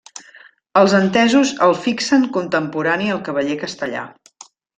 Els entesos el fixen contemporani al cavaller castellà.